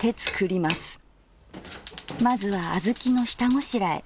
まずは小豆の下ごしらえ。